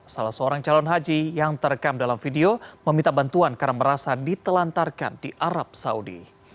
salah seorang calon haji yang terekam dalam video meminta bantuan karena merasa ditelantarkan di arab saudi